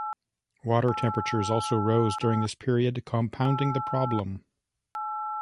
Water temperatures also rose during this period, compounding the problem.